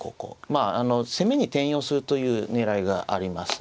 まあ攻めに転用するという狙いがあります。